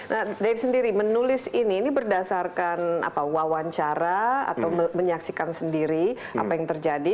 nah dave sendiri menulis ini ini berdasarkan wawancara atau menyaksikan sendiri apa yang terjadi